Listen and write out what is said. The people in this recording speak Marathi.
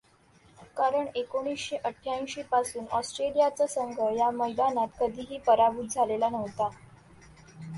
कारण एकोणीसशे अठ्याऐंशी पासून ऑस्ट्रेलियाचा संघ या मैदानात कधीही पराभूत झालेला नव्हता.